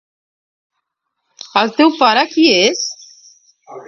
El teu pare, qui és?